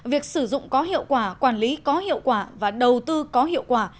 việc sử dụng có hiệu quả quản lý có hiệu quả và đầu tư có hiệu quả